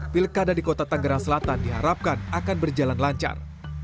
pilkada di kota tanggerang selatan diharapkan akan berjalan lancar